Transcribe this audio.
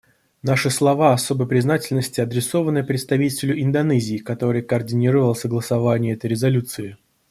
Наши слова особой признательности адресованы представителю Индонезии, который координировал согласование этой резолюции.